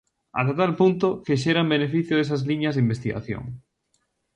Ata tal punto, que xeran beneficio desas liñas de investigación.